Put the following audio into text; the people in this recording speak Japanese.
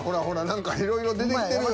何かいろいろ出てきてる。